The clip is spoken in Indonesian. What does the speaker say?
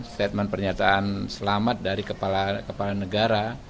statement pernyataan selamat dari kepala negara